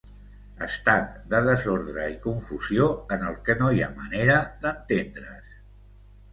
Estat de desordre i confusió en el que no hi ha manera d'entendre's.